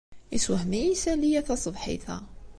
Yessewhem-iyi yisali-a taṣebḥit-a.